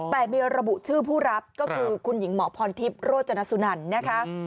แต่มีระบุชื่อผู้รับก็คือคุณหญิงหมอพรทิพย์โรจนสุนันนะคะ